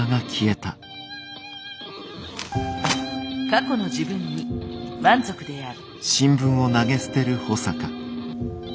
過去の自分に満足である。